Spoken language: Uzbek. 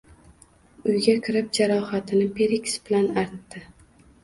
Uyga kirib jaroxatini perekis bilan artdi.